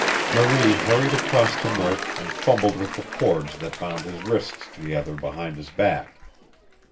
Marie hurried across to Murk and fumbled with the cords that bound his wrists together behind his back.